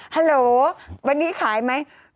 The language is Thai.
ฮัลโหลวันนี้ขายไหม